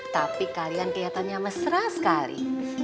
tapi kalian kelihatannya mesra sekali